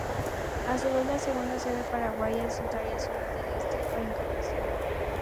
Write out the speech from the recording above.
A su vez, la segunda sede paraguaya estaría en Ciudad del Este o Encarnación.